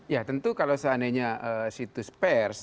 ya tentu kalau seandainya situs pers